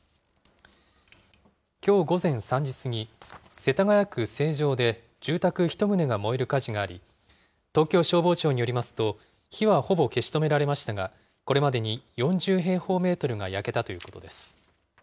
きょう午前３時過ぎ、世田谷区成城で、住宅１棟が燃える火事があり、東京消防庁によりますと、火はほぼ消し止められましたが、これまでに４０平方メートルが焼けたということです。